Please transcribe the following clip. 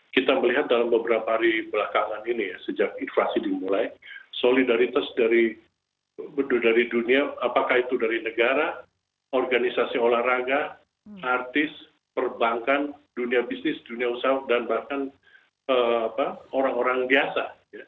kita melihat dalam beberapa hari belakangan ini ya sejak inflasi dimulai solidaritas dari dunia apakah itu dari negara organisasi olahraga artis perbankan dunia bisnis dunia usaha dan bahkan orang orang biasa